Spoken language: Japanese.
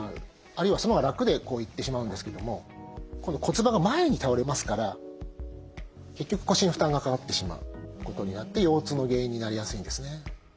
あるいはそのほうが楽でいってしまうんですけども今度骨盤が前に倒れますから結局腰に負担がかかってしまうことになって腰痛の原因になりやすいんですね。